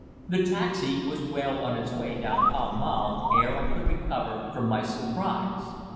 The taxi was well on its way down Pall Mall ere I could recover from my surprise.